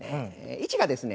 位置がですね